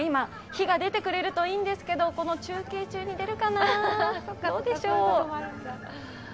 火が出てくれるといいんですけど、この中継中に出るかな、どうでしょう。